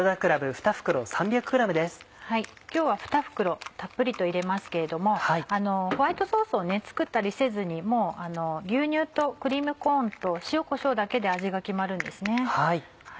今日は２袋たっぷりと入れますけれどもホワイトソースを作ったりせずに牛乳とクリームコーンと塩こしょうだけで味が決まるんですね。